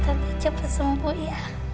tante coba sembuh ya